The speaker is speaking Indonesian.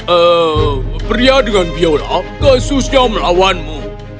eh pria dengan biola khususnya melawanmu